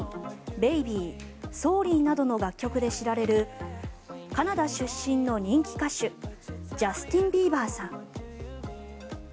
「Ｂａｂｙ」「Ｓｏｒｒｙ」などの楽曲で知られるカナダ出身の人気歌手ジャスティン・ビーバーさん。